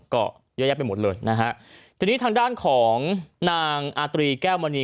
ก็เยอะแยะไปหมดเลยนะฮะทีนี้ทางด้านของนางอาตรีแก้วมณี